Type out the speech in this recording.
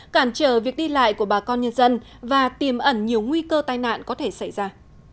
cản trở việc đi lại của bà con nhân dân và tiềm ẩn nhiều nguy cơ tai nạn có thể xảy ra